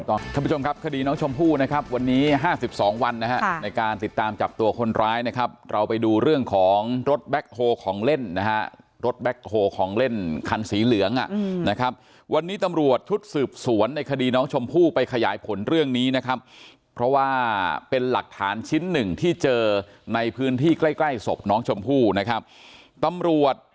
ท่านผู้ชมครับคดีน้องชมพู่นะครับวันนี้ห้าสิบสองวันนะฮะในการติดตามจับตัวคนร้ายนะครับเราไปดูเรื่องของรถแบ็คโฮของเล่นนะฮะรถแบ็คโฮของเล่นคันสีเหลืองอ่ะนะครับวันนี้ตำรวจชุดสืบสวนในคดีน้องชมพู่ไปขยายผลเรื่องนี้นะครับเพราะว่าเป็นหลักฐานชิ้นหนึ่งที่เจอในพื้นที่ใกล้ใกล้ศพน้องชมพู่นะครับตำรวจ